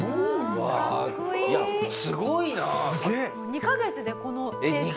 ２カ月でこの成長。